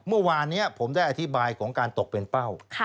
เมื่อวานนี้ผมได้อธิบายของการตกเป็นเป้า